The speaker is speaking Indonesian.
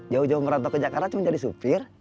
jauh jauh merantau ke jakarta cuma jadi supir